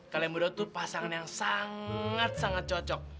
kalian berdua tuh pasangan yang sangat sangat cocok